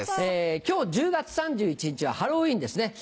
今日１０月３１日はハロウィーンですね。